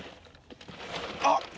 あっ！